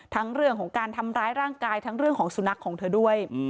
ทั้งเรื่องของการทำร้ายร่างกายทั้งเรื่องของสุนัขของเธอด้วย